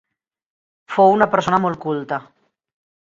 Fou una persona molt culta.